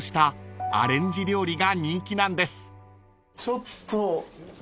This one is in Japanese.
ちょっと。